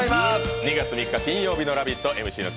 ２月３日金曜日の「ラヴィット！」